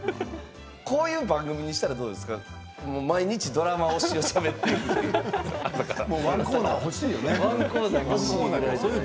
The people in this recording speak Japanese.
こういう番組にしたらどうですか毎日ドラマ推しを調べていくという。